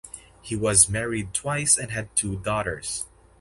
He was married twice and had two daughters.